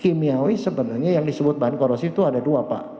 kimiawi sebenarnya yang disebut bahan korosi itu ada dua pak